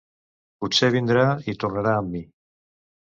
Potser vindrà i tornarà amb mi.